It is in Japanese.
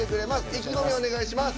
意気込み、お願いします。